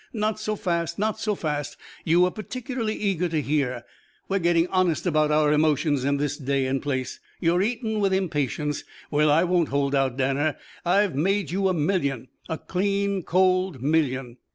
"Not so fast, not so fast. You were particularly eager to hear. We're getting honest about our emotions in this day and place. You're eaten with impatience. Well I won't hold out. Danner, I've made you a million. A clean, cold million."